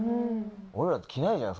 俺らって着ないじゃん